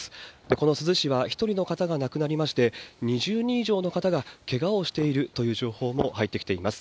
この珠洲市は、１人の方が亡くなりまして、２０人以上の方がけがをしているという情報も入ってきています。